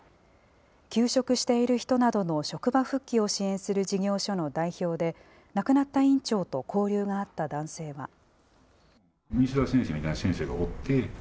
休職している人などの職場復帰を支援する事業所の代表で亡くなった院長と交流があった男性は。